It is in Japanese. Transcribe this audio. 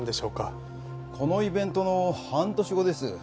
このイベントの半年後です。